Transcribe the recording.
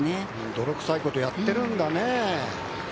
泥臭いことやってるんだね。